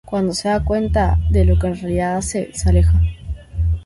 Cuando se da cuanta de lo que en realidad hace, se aleja.